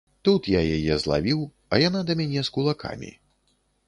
Тут я яе злавіў, а яна да мяне з кулакамі.